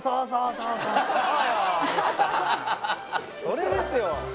それですよ